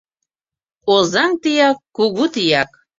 Озаҥ тияк - кугу тияк